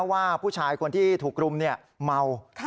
ว่าผู้ชายคนที่ถูกรุมเมา